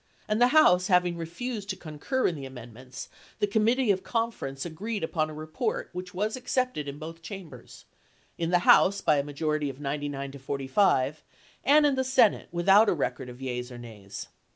'ssl'''' and the House having refused to concur in the amendments, the Committee of Conference agi'eed upon a report which was accepted in both cham bers — in the House by a majority of 99 to 45, and in the Senate without a record of yeas or nays.